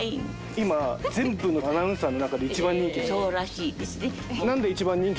今、全部のアナウンサーの中で一番人気。